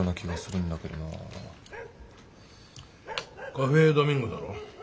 カフェードミンゴだろ。